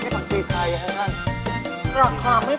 นักหน้าฝักชีไทยอย่างข้างนั้น